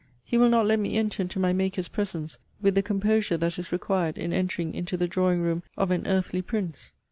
He will not let me enter into my Maker's presence with the composure that is required in entering into the drawing room of an earthly prince!